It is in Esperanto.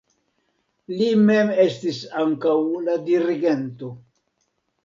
Li mem estis ankaŭ la dirigento.